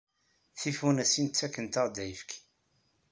Tifunasin ttakent-aɣ-d ayefki.